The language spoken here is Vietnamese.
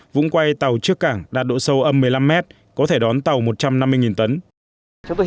vũng quay tàu trước cảng đạt độ sâu âm một mươi năm mét có thể đón tàu một trăm năm mươi tấn